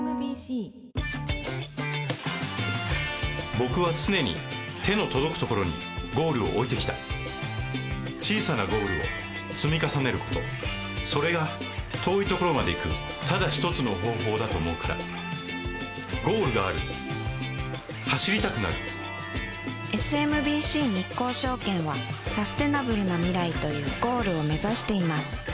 僕は常に手の届くところにゴールを置いてきた小さなゴールを積み重ねることそれが遠いところまで行くただ一つの方法だと思うからゴールがある走りたくなるＳＭＢＣ日興証券はサステナブルな未来というゴールを目指しています